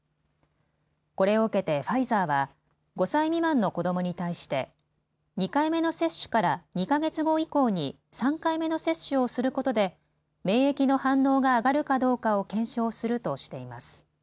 これを受けてファイザーは５歳未満の子どもに対して２回目の接種から２か月後以降に３回目の接種をすることで免疫の反応が上がるかどうかを検証するとしています。